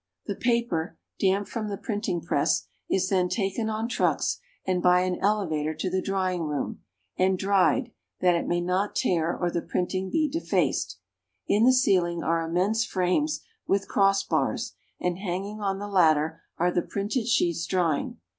The paper, damp from the printing press, is then taken on trucks and by an elevator to the Drying room, and dried, that it may not tear or the printing be defaced. In the ceiling are immense frames with cross bars, and hanging on the latter are the printed sheets drying.